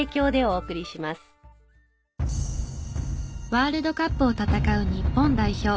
ワールドカップを戦う日本代表。